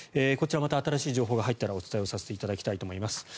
こちらまた新しい情報が入ったらお伝えさせていただきたいと思います。